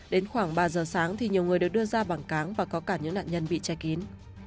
đến khoảng ba giờ sáng thì nhiều người được đưa ra bảng cáng và có cả những nạn nhân bị che kín